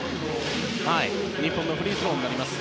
日本のフリースローになります。